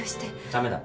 ダメだ！